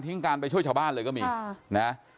การไปช่วยชาวบ้านเลยก็มีนะ